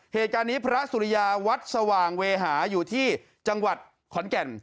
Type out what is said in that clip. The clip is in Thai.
เหตุการณ์นี้พระสุริยาวัดสว่างเวหาอยู่ที่จังหวัดขอนแก่น